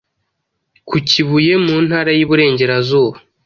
ku Kibuye mu Intara y’Iburengerazuba